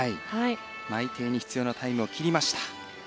内定に必要なタイムを切りました。